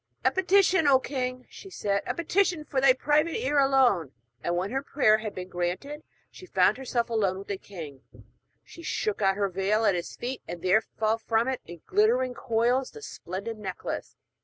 'A petition, O king!' she said. 'A petition for thy private ear alone!' And when her prayer had been granted, and she found herself alone with the king, she shook out her veil at his feet, and there fell from it in glittering coils the splendid necklace.